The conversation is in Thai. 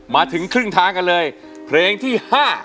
มาถึงครึ่งทางกันเลยเพลงที่๕